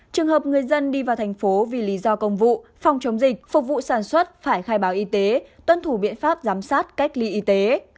trường hợp người dân đi vào thành phố vì lý do công vụ phòng chống dịch phục vụ sản xuất phải khai báo y tế tuân thủ biện pháp giám sát cách ly y tế